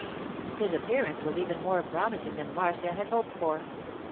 His appearance was even more promising than Marcia had hoped for.